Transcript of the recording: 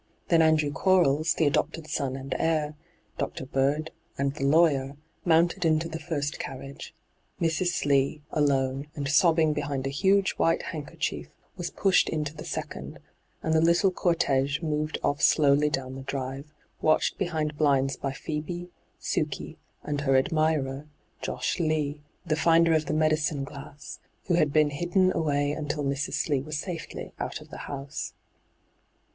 Then Andrew Quarles, the adopted son and heir. Dr. Bird, and the lawyer, mounted into the first carriage ; Mrs. Slee, alone, and sobbing behind a huge white handkerchief, was pushed into the second ; and the little cortege moved off slowly down the drive, watched behind blinds by Phoebe, Sukey, and her admirer, Josh X*e, the finder of the medicine glass, who had been hidden away until Mrs. Slee was safely out of the house.